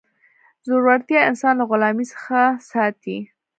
زړورتیا انسان له غلامۍ څخه ساتي.